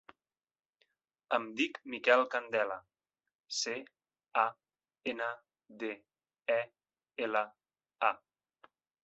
Em dic Miquel Candela: ce, a, ena, de, e, ela, a.